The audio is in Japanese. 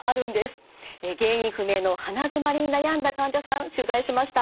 原因不明の鼻づまりに悩んだ患者さん取材しました。